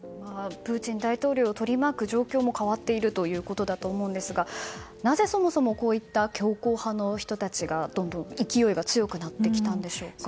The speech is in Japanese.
プーチン大統領を取り巻く状況も変わっているということだと思うんですがなぜそもそもこういった強硬派の人たちがどんどん勢いが強くなってきたんでしょうか。